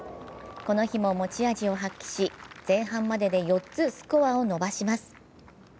この日も持ち味を発揮し、前半までで４つスコアを伸ばします。